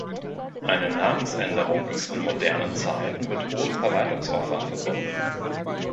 Eine Namensänderung ist in modernen Zeiten mit hohem Verwaltungsaufwand verbunden.